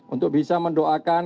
untuk bisa mendoakan